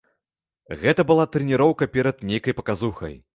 Гэта была трэніроўка перад нейкай паказухай.